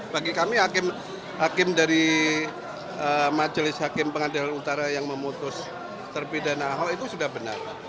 bagi kami hakim dari majelis hakim pengadilan utara yang memutus terpidana ahok itu sudah benar